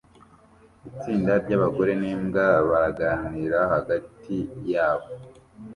Itsinda ryabagore nimbwa baraganira hagati yabo